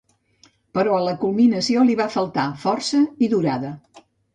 Però a la culminació li va faltar força i durada.